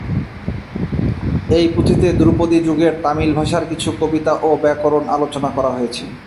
এই পুঁথিতে ধ্রুপদী যুগের তামিল ভাষার কিছু কবিতা ও ব্যাকরণ আলোচনা করা হয়েছে।